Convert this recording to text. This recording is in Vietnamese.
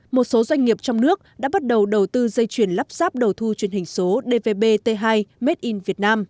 một số doanh nghiệp trong nước đã bắt đầu đầu tư dây chuyển lắp ráp đầu thu truyền hình số dvb t hai made in vietnam